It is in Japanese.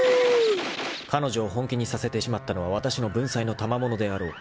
［彼女を本気にさせてしまったのはわたしの文才のたまものであろう］